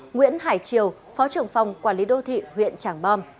nguyễn hải triều phó trưởng phòng quản lý đô thị huyện tràng bom